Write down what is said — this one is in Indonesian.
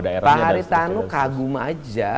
daerahnya pak haritano kagum aja